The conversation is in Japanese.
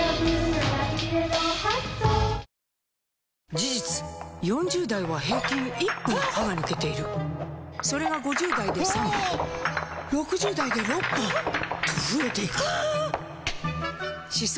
事実４０代は平均１本歯が抜けているそれが５０代で３本６０代で６本と増えていく歯槽